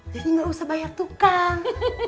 jadi nggak usah bayar tukang